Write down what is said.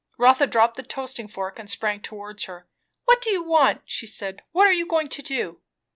Rotha dropped the toasting fork and sprang towards her. "What do you want?" she said. "What are you going to do?"